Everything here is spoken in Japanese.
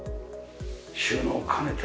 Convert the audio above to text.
収納兼ねて。